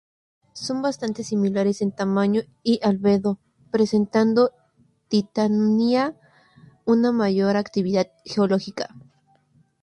Son bastante similares en tamaño y albedo, presentando Titania una mayor actividad geológica.